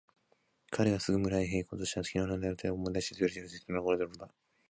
彼はすぐ村へいこうとした。きのうのふるまいを思い出して亭主とはどうしても必要なことしかしゃべらないでいたのだったが、